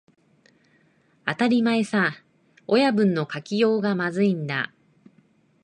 当たり前さ、親分の書きようがまずいんだ